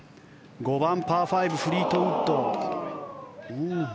５番、パー５フリートウッド。